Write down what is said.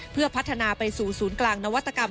เพื่อพัฒนาไปสู่ศูนย์กลางนวัตกรรม